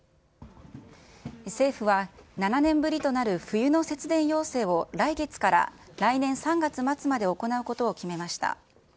政府は、７年ぶりとなる冬の節電要請を来月から来年３月末まで行うことを決めました。